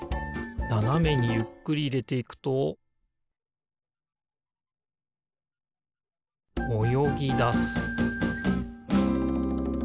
ななめにゆっくりいれていくとおよぎだす